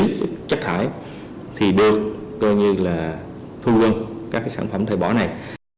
để thực hiện chất thải thì được coi như là thu gom các sản phẩm thải bỏ này